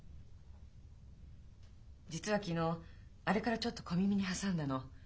実は昨日あれからちょっと小耳に挟んだの。